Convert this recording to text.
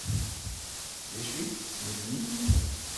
D acu ay tettmennim?